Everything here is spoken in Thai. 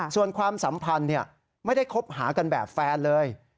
ส่วนความสัมพันธ์ไม่ได้คบหากันแบบแฟนเลย